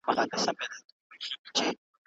روسیه کي په روسي ژبه، په هند او پاکستان کي په